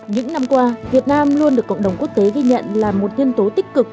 những năm qua việt nam luôn được cộng đồng quốc tế ghi nhận là một nhân tố tích cực